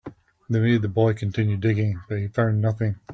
They made the boy continue digging, but he found nothing.